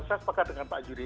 saya sepakat dengan pak juri